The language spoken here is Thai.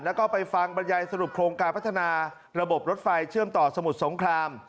แล้วก็ไปฟังบรรยายสรุปโครงการพัฒนาระบบรถไฟเชื่อมต่อสมุทรสงคราม